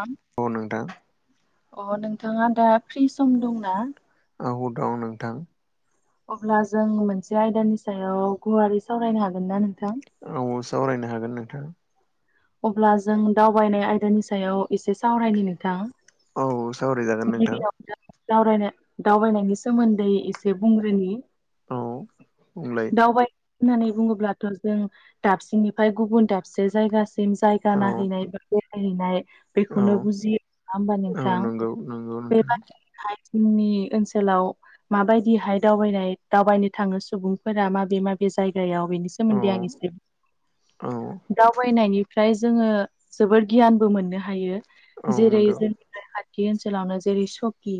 आम औ नोंथां। अ नोंथाङा दा फ्रि सम दंना? आहु दं नोंथां। अब्ला जों मोनसे आयदानि सायाव गुवारै सावरायनो हागोन ना नोंथां? औ सावरायनो हागोन नोंथां। अब्ला जों दावबायनाय आयदानि सायाव एसे सावरायनि नोंथां। औ सावरायजागोन नोंथां गिबियावनो दावरायना दावबायनायनि सोमोन्दै एसे बुंग्रोनि। औ बुंलाय। दावबाय होननानै बुङोब्लाथ' जों दाबसेनिफ्राय गुबुन दाबसे जायगा सिम जायगा औ नाहैनाय बा बेरायहैनाय बेखौनो बुजियो नङा होमबा औ नोंथां? नंगौ नंगौ नोंथां बेबायदिहाय जोंनि ओनसोलाव माबायदिहाय दावबायनाय दावबायनो थाङो सुबुंफोरा माबे माबे जायगायाव बेनि औ सोमोन्दै आं एसे औ दावबायनायनि फ्राय जोङो जोबोर गियानबो मोननो हायो औ जेरै नंगौ जोंनिफ्राय खाथि ओनोल सोलावनो जेरै सकि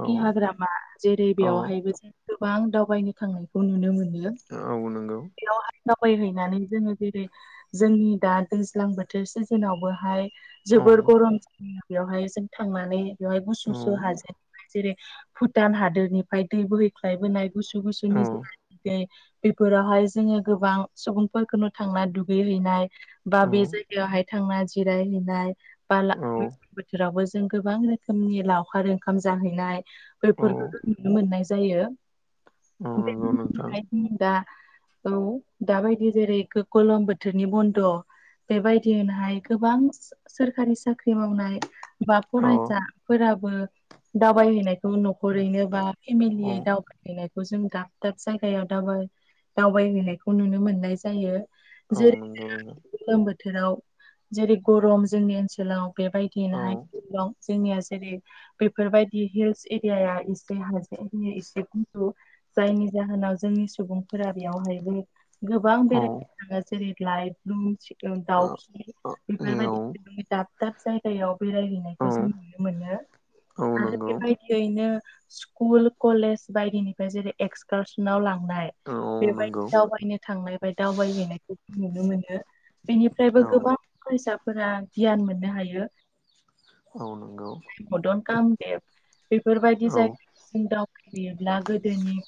औ हाग्रामा जेरै औ बेवहायबो गोबां दावबायनो थांनायखौ नुनो मोनो। औ नोंगौ। बेयाहाय दावबायहैनानै जोङो जेरै जोंनि दा दैज्लां बोथोर सिजोनावबोहाय औ जोबोर गरम जायो बेवहाय जों थांनानै बेवहाय औ गुसुसु हाजेन जेरै भुटान हादोरनिफ्राय दै बोहैख्लायबोनाय गुसु गुसुनि बेफोरावहाय जोङो गोबां सुबुंफोरखौनो थांना दुगै हैैनाय बा औ बे जायग बेयावहाय थांना जिरायहैनाय बा औ बोथोरावबो जों गोबां रोखोमनि लावखार ओंखाम जाहैनाय औ बेफोरखौ नुनो मोननाय जायो। औ नंगौ नोंथां [inaudible] औ दाबायदि जेरै गोलोम बोथोरनि बन्द' बेबायदियहाय गोबां सोरखारि साख्रि मावनाय बा औ फरायसाफोराबो दावबायहैनाय न'खरैनो बा औ फेमिलियै दा हैनायखौ जों दाब दाब जायगायाव दाव दावबायहैनायखौ नुनो मोननाय जायो जेरै औ नंगौ नोंथां गोलोम बोथोराव जेरै गरम जोंनि ओनसोलाव औ बेबायदियनोहायं जोंनिया जेरै बेफोरबायदि हिल्स एरियाया एसे हाजो एरिया एसे गुदु जायनि जाहोनाव जोंनि सुबुंफोरा बेयावहायबो गोबां औ बेरायनो थाङो जेरै लाइ ब्लुम औ दाउ बेफोरबायदि दाब दाब जायगायाव बेरायहैनो जों नुनो मोनो औ नंगौ औ आरो नंगौ बेबायदि नो स्कुल कलेज बायदिनिफ्राय जेरै एक्सकारसनव लांनाय। बेबायदि दावबायनो थांनाय दावबायहैनायखौ जों नुनो मोनो। बेनिफ्रायबो औ गोबां फरायसाफोरा गियान मोननो हायो। औ नोंगौ। [inaudible] बेफोरबायदि औ जायगा जों दावबायहैयोब्ला गोदोनि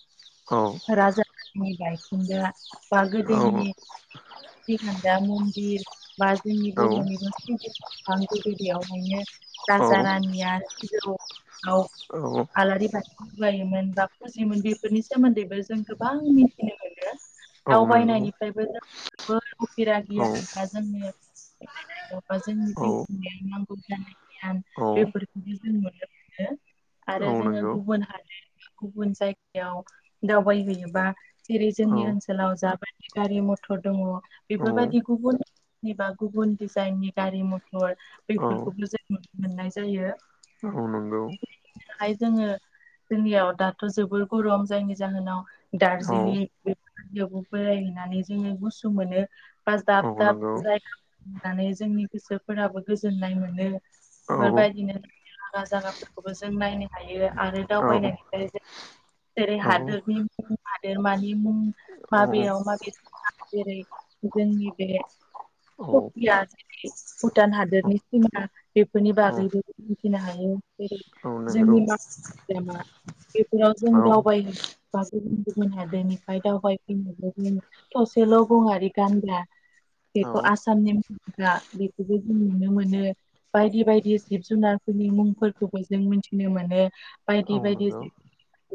राजा रानि बायखोन्दा बा गोदोनि औ-औ-औ-औ-औ फुजिखानदा मुनदिर बा जोंनि बर नि [unintelligible] [inaudible] राजा रानिया [unintelligible] आलारि बाथि लायोमोन बा फुजियोमोन बेफोरनि सोमोन्दैबो जों गोबां मिथिनो मोनो। नंगौ दावबायनायनिफ्रायबो जोबोर उफेरा गियान जोंनि जोंनि जिउ खुंनायाव नांगौ जानाय। औ-औ-औ-औ बेफोरखौबो जों नुनो मोनो आरो जोङो नंगौ गुबुन हादोर गुबुन जायगायाव दावबायहैयोबा जेरै जोंनि ओनसोलाव जाबायदि गारि मथर दङ बेफोरबायदि औ-औ-औ गुबुन गुबुन डिजाइननि गारि मथर बेफोरखौबो जों मोननाय जायो नंगौ औ-औ नंगौ जोङो [unintelligible] जोंनियाव दाथ' जोबोर गरम जायनि जाहोनाव दार्जिलिं औ-औ-औ-औ-औ-औ बेरायहैनानै जोङो गुसु मोनो। बा दाब नंगौ औ-औ-औ दाब नंगौ जायगानानै जोंनि गोसोफोराबो गोजोननाय मोनो। औ-औ-औ-औ नंगौ बेफोरबायदिनो हागा जायगाफोरखौबो जों नायनो हायो आरो दावबायनायनिफ्राय जों जेरै हादोरनि मुं हादोरमानि मुं मा औ नंगौ बेयाव माबे जेरै जोंनि बि सकिया जेरै भुटान हादोरनि सिमा बेफोरनि बागैबो मिथिनो हायो जे जोंनि माहारिया बेफोराव जों दावबायै बा गुबुन गुबुन हादोरनिफ्राय दावबायफैनाय जों लोगों मोनो। थसेल' गङारि गान्दा। बेखौ आसामनि मानसिफ्रा बेखौबो जों नुनो मोनो। बायदि बायदि जिब जुनारफोरनि मुंफोरखौबो जों मिथिनो मोनो बायदि बायदि जि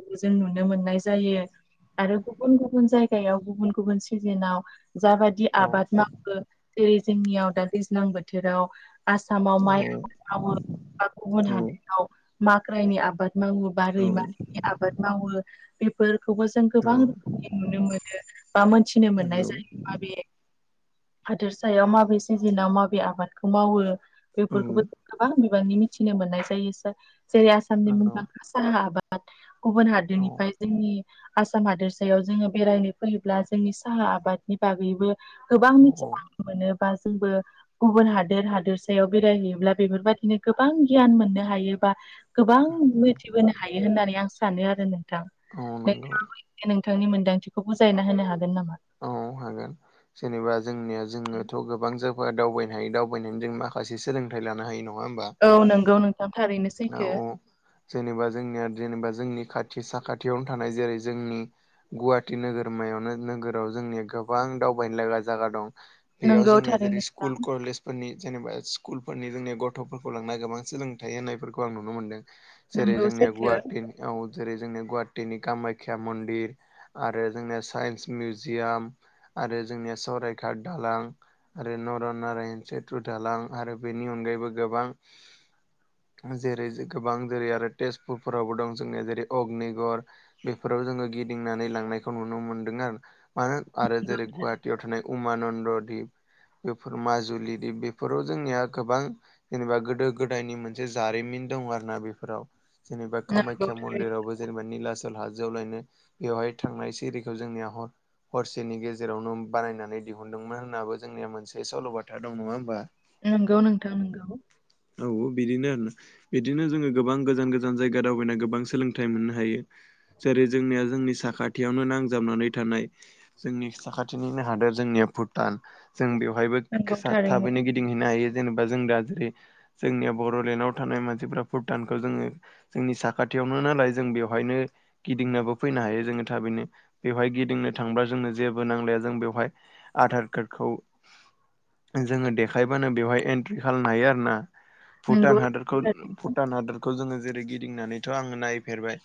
बे जों नुनो मोननाय जायो। आरो गुबुन गुबुन जायगायाव गुबुन गुबुन सिजेनाव जाबादि आबाद मावो। जेरै जोंनियाव दा दैज्लां बोथोराव [inaudible] बा गुबुन हादोराव माक्रायनि आबाद मावो बा रैमालिनि आबाद मावो बेफोरखौबो जों गोबां रोखोमनि नुनो मोनो। बा मोनथिनो मोननाय जायोबा बे। हादोरसायाव माबे सिजोनाव माबे आबादखौ मावो। बेफोरखौबो गोबां बिबांनि मिथिनो मोननाय जायो सार। जेरै आसामनि मुंदांखा साहा आबाद गुबुन हादोरनिफ्राय जोंनि। आसाम हादोरसायाव जोङो बेरायनो फैयोब्ला जोंनि साहा आबादनि बागैबो। गोबां मिथि मोनोबा जोंबो गुबुन हादोर हादोर बेरायहैयोब्ला बेफोरबायदिनो गोबां गियान मोननो हायो बा गोबां मिथिबोनो हायो। हायो होननानै आं सानो आरो नोंथां औ नोंगौ। नोंथांनि मोन्दांथिखौ बुजायना होनो हागोन नामा। औ हागोन जेनेबा जोंनिया जोंङोथ' गोबां ज दावबायनो हायो दावबायनानै जों मासे सोलोंथाइ लानो हायो नङा होमबा। औ नंगौ नोंथां थारैनो औ सैथो। औ जेनेबा जोंनिया जेनेबा जोंनि खाथि साखाथियावनो थानाय जेरै जोंनि। गुवाहाटि नोगोरमायावनो नोगोर जोंनिया गोबां दावबायनो लागा जागा दं बेयाव नंगौ जोंनिया थारैनो [unintelligible] नोंथां स्कुल कलेजफोरनि जेनेबा स्कुलफोरनि जोंनि गथ'फोरखौ लांना गोबां सोलोंथाइ होननायफोरखौ आं नुनो मोनदों। जेरै नंगौ जोंनिया सैथो गुवाहाटिनि औ जेरै जोंनि गुवाहाटिनि कामाख्या मन्दिर आरो जोंनिया साइन्स मिउजि मिउजियाम आरो जोंनिया सरायघाद दालां आरो नरनारायण सेत्रु दालां आरो बेनि अनगायैबो गोबां जेरै गोबां जेरै आरो तेजपुरफोरावबो दं जोंनिया जेरै अग्निगर बेफोराव जोङो गिदिंनानै लांनायखौ नुनो मोनदों आरो मानो आरो जेरै गुवाहाटियाव थानाय उमानन्द दिप बेफोर माजुलि बेफोराव जोंनिया गोबां जेनेबा गोदो गोदायनि मोनसे जारिमिन दं आरो ना बेफोराव जेनेबा नंगौ नंगौ कामाख्या थारैनो मन्दिरावबो जेनेबा निलाचल हाजो आवलायनो बेवहाय थांनाय सरिखौ जोंनिया हर हरसेनि गेजेरावनो बानायनानै दिहुनदोंमोन होननाबो जोंनिया मोनसे सल'बाथा दं नङा होमबा। नंगौ नोंथां नोंगौ औ बिदिनो आरोना बिदिनो जोङो गोबां गोजान गोजान जायगा दावबायनानै गोबां सोलोंथाइ मोननो हायो। जेरै जोंनिया जोंनि साखाथियावनो नांजाबनानै थानाय जोंनि साखाथिनिनो हादोर जोंनिया भुटान जों बेवहायबो नंगौ थारैनो थाबैनो गिद गिदिंहैनो हायो जेनेबा जों दा जेरै जोंनिया बरड'लेण्डआव थानाय मानसिफ्रा भुटानखौ जोङो जोंनि साखाथियावनो नालाय जों बेवहायनो गिदिंनोाबो फैनो हायो जोङो थाबैनो बेवहाय गिदिंनो थांब्ला जोंनो जेबो नांलाया जों बेवहाय आधार कार्डखौ जोङो देखायबानो बेवहाय एन्ट्रि खालामनो हायो आरोना नंगौ भुटान हादरखौ भुटान हादरखौ जोङो जेरै गिदिंनानैथ' आङो नायफेरबाय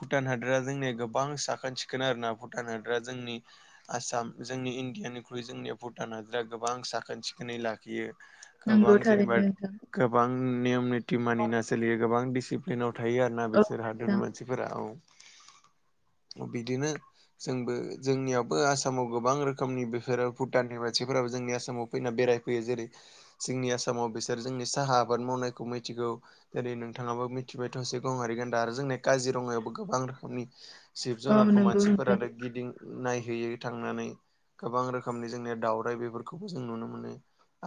भुटान हादरा जोंनिया गोबां साखोन सिखोन आरोना भुटान हादरा जोंनि आसाम जोंनि इण्डियानिख्रुइ जोंनिया भुटान हादरा गोबां साखोन सिखोनै लाखियो गोबां नंगौ जेनेबा थारैनो नोंथां गोबां नेयम निथि मानिना सोलियो गोबां दिसिप्लि प्लेनाव थायो आर ना बिसोर औ हादरनि मानसिफोरा औ बिदिनो जोंबो जोंनियावबो आसामाव गोबां रोखोमनि बेफोरो भुटाननि मानसिफोराबो जोंनि आसामाव फैना बेरायफैयो जेरै जोंनि आसामाव बिसोर जोंनि साहा आबाद मावनायखौ मिथिगौ जेरै नोंथाङाबो मिथिबाय थसे‌ गंआरि गान्दा आरो जोंनि काजिरङायावबो गोबां रोखोमनि जिब औ जुनारखौ नंगौ नोंथां मानसिफोरानो गिदिं नायहैयो थांनानै गोबां रोखोमनि जोंनिया दाउराइ बेफोरखौबो जों नुनो मोनो।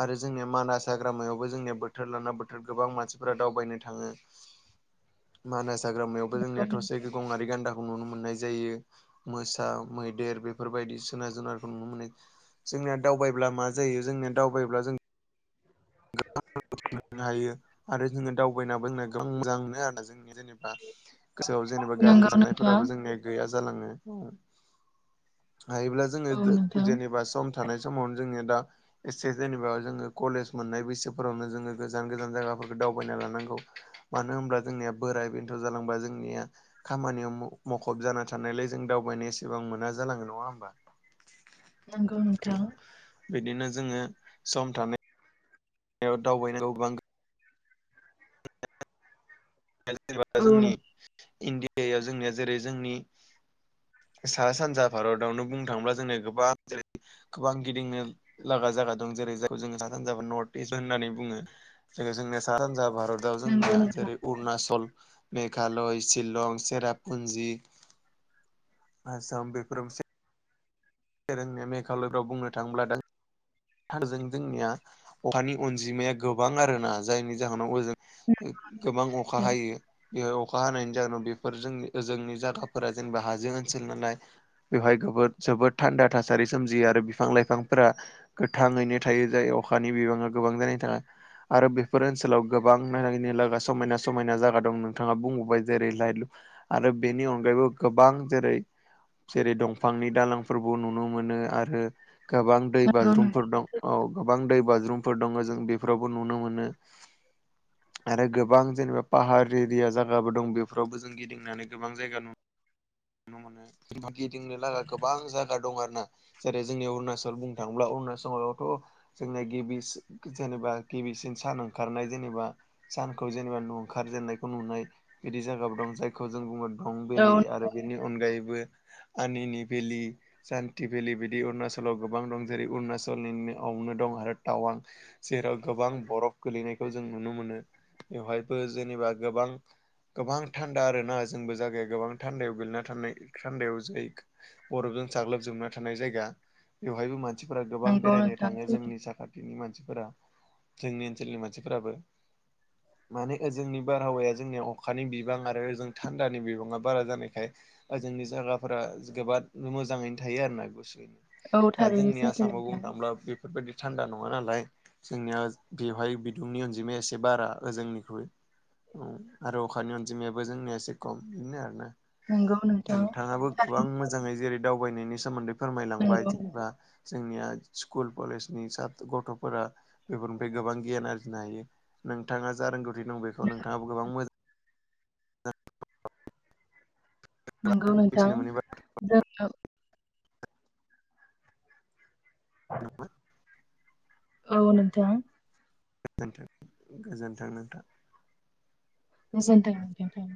आरो जोंनिया मानास हाग्रामायावबो जोंनिया बोथोर लाना बोथोर गोबां मानसिफोरा दावबायनो थाङो। [inaudible] मानास हाग्रामायावबो नंगौ जोंनिया थसे गंआरि गान्दाखौ नुनो मोननाय जायो। मोसा मैदेर बेफोरबायदि जोनार जुनारखौ नुनो मोनो जोंनिया दावबायब्ला मा जायो जोंनिया दावबायायोब्ला जों [unintelligible] मोननो हायो आरो जोङो दावबायनाबो जोंना गोबां मोजां मोनो आरो जों जेनेबा गोसोआव जेनेबा गाज्रि नंगौ नोंथां साननायफोराबो जोंनिया गैया जालाङो। ओ, हायोब्ला। औ जोंयो नोंथां जेनेबा सम थानाय समावनो जोङो दा एसे जेनेबा जोङो कलेज मोननाय बैसोफोरावनो जोङो गोजान गोजान जायगाफोरखौ दावबायना लानांगौ। मानो होनब्ला जोंनिया बोराय बेन्थ' जालांबा जोंनिया खामानियाव मुखुब जाना थानायलाय जों दावबायनाय एसेबां मोना जालाङो नङा होमबा। नांगौ नोंथां बिदिनो जोङो सम थानाय दावबायनांगौ गोबां [unintelligible] औ जोंनि नों- इण्डियायाव जोंनिया जेरै जोंनि सारा सानजा भारतावनो बुंनो थाङोब्ला जोंङो गोबां जेरै- गोबां गिदिंनो लागा जाया दं जेरै खौ जोङो सा सानजा बा नर्थ इस्ट होननानै बुङो। जेराव जोंनिया सा सानजा भारताव नंगौ जोंनिया नोंथां जेरै- अरुणाचल मेघालय शिलं सेरपुन्जि आसाम [unintelligible] जों मेघालयफ्राव बुंनो थाङोब्ला दा ह जों जोंनिया अखानि अनजिमाया गोबां आरो ना जायनि जाहोनावओजों गोबां अखा हायो। बेहाय अखा हानायनि जाहोनाव बेफोर जोंनिओ जोंनि जायगाफोरा जेनेबा हाजो ओनसोल नालाय बेवहाय जोबोद थान्दा थासारि सोमजियो आरो बिफां लाइफांफोरा गोथाङैनो थायो जाय अखानि बिबाङा गोबां जानायनि थाङा आरो बेफोर ओनसोलाव गोबांनिा समायना समायना जायगा दं नोंथाङा बुंबोबाय जेरै लाइ आरो बेनि अनगायैबो गोबां जेरै जेरै दंफांनि दालांफोरबो नुनो मोनो आरो गोबां दै नंगौ बाज्रुम नों दं औ गोबां दै बाज्रुमफोर दङ जों बेफोरावबो नुनो मोनो। [inaudible] आरो गोबां जेनेबा पाहार एरिया जायगाबो दं बेफोरावबो जों गिदिंनानै गोबां जायगा नु नोमोनो गिदिंनो लागा गोबां जायगा दं आरो ना। जेरै जोंनि अरुणाचल बुंनो थाङोब्ला अरुणाचलावथ' जोंना गिबि जेनेबा गिबिसिन सान ओंखारनाय जेनेबा सानखौ जेनेबा न ओंखारजेननायखौ नुनाय बिदि जायगाब दं जायखौ जों बुङो दं औ भेलि आरो बेनि अनगायैबो आनिनि भेलि सान्ति भेलि बिदि अरुणाचलाव गोबां दं जेरै अरुणाचलनिनो दं आरो टावां जेराव गोबां बरफ गोलैनायखौ जों नुनो मोनो बेवहायबो जेनेबा गोबां गोबां थान्दा आरोना जोंबो जागाया गोबां थान्दायाव थानायान्दायाव ज बरफजों साग्लोबजोबना थानाय जायगा बेवहायबो मानसिफोरा गोबां नंगौ बेरायनो नोंथां थाङो सैथो जोंनि साखाथिनि मानसिफोरा जोंनि ओनसोलनि मानसिफोराबो माने ओजोंनि बारहावाया जोंनिया अखानि बिबां आरो ओजों थान्दानि बिबाङा बारा जानायखाय जोंनि जायगाफोरा जोबोद मोजाङैनो थायो आरोना गुसोयैनो औ दा थारैनो जोंनि सैथो आसामाव बुंनो नोंथां थाङोब्ला बेफोरबायदि थान्दा नङा नालाय जोंनिया बेवहाय बिदुंनि अनजिमाया एसे बारा ओ जोंनिख्रुइ उम आरो अखानि अनजिमायाबो जोंनिया एसे खम बिदिनो आरो ना नोंगौ नोंथाङाबो गोबां मोजाङै जेरै दावबायनायनि सोमोन्दै फोरमायलांबाय नंगौ नोंथां जेनेबा जोंनिया स्कुल कलेजनि स गथ'फोरा बेफोरनिफ्राय गोबां गियान आरजिनो हायो नोंथाङा जा रोंगौथि दं बेखौ नोंथाङाबो गोबां मोजां नोंगौ नोंथां मिथिनो मोनैबाय जोंङो औ नोथां। गोजोनथों गोजोन्थों नोंथां। गोजोन्थों नोंथां।